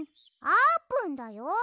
あーぷんだよ。